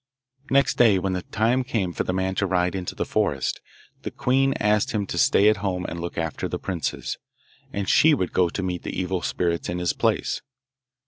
Next day, when the time came for the man to ride into the forest, the queen asked him to stay at home and look after the princes, and she would go to meet the evil spirits in his place.